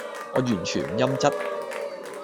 我完全唔陰質